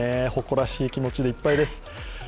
誇らしい気持ちでいっぱいです。